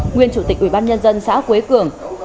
nguyên chủ tịch ủy ban nhân dân xã quế cường